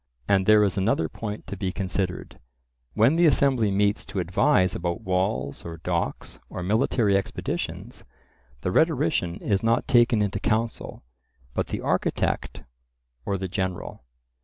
And there is another point to be considered:—when the assembly meets to advise about walls or docks or military expeditions, the rhetorician is not taken into counsel, but the architect, or the general.